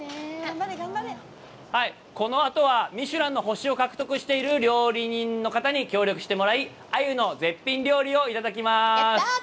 このあとは、ミシュランの星を獲得している料理人の方に協力してもらい、鮎の絶品料理をいただきます。